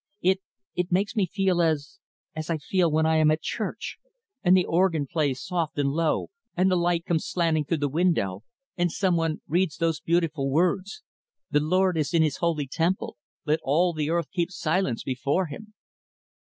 It it makes me feel as as I feel when I am at church and the organ plays soft and low, and the light comes slanting through the window, and some one reads those beautiful words, 'The Lord is in his holy temple; let all the earth keep silence before him'."